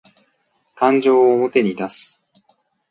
感情を表に出す